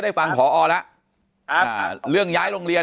แต่คุณยายจะขอย้ายโรงเรียน